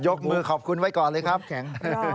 มือขอบคุณไว้ก่อนเลยครับแข็ง